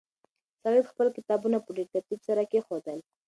سعید خپل کتابونه په ډېر ترتیب سره کېښودل.